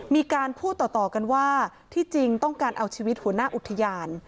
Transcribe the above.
มีการพูดต่อกันว่าที่จริงต้องการเอาชีวิตหัวหน้าอุทยาน